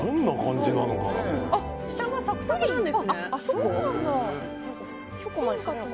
下がサクサクなんですね。